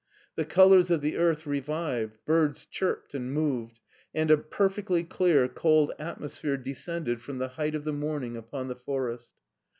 The colors of the earth revived, birds chirped and moved, and a perfectly clear cold atmosphere descended from the height of the morning upon the forest.